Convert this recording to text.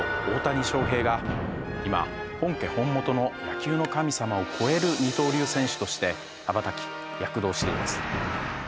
大谷翔平が今本家本元の野球の神様を超える二刀流選手として羽ばたき躍動しています。